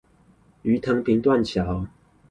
魚藤坪斷橋